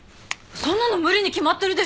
そんなの無理に決まってるでしょ。